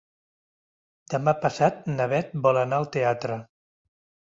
Demà passat na Beth vol anar al teatre.